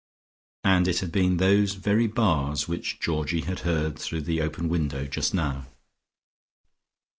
And it had been those very bars, which Georgie had heard through the open window just now.